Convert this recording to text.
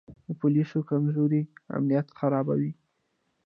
د پولیسو کمزوري امنیت خرابوي.